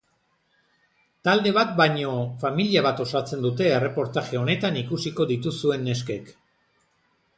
Talde bat baino, familia bat osatzen dute erreportaje honetan ikusiko dituzuen neskek.